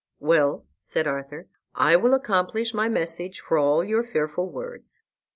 "Well," said Arthur, "I will accomplish my message for all your fearful words."